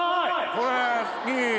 これ好き。